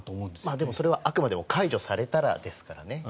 でも、それはあくまでも解除されたらですからね。